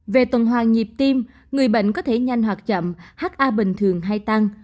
về tuần hoàng nhịp tim người bệnh có thể nhanh hoặc chậm ha bình thường hay tăng